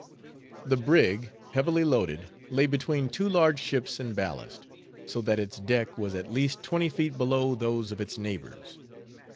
The brig, heavily loaded, lay between two large ships in ballast; so that its deck was at least twenty feet below those of its neighbors.